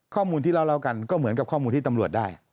ข้อมูลที่เล่ากันก็เหมือนกับข้อมูลที่ตำรวจได้